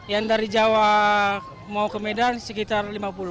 yang dari jawa mau ke medan sekitar lima puluh